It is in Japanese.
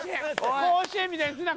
甲子園みたいにすな！